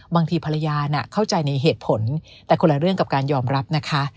บางทีภรรยาน่ะเข้าใจในเหตุผลแต่คนละเรื่องกับการยอมรับนะคะ